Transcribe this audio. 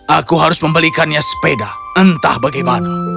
aku harus membelikannya sepeda entah bagaimana